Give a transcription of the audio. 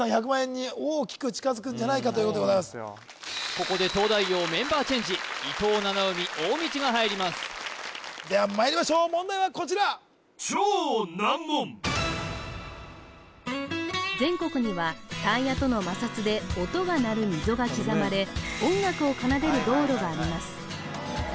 ここで東大王メンバーチェンジ伊藤七海大道が入りますではまいりましょう問題はこちら全国にはタイヤとの摩擦で音が鳴る溝が刻まれがあります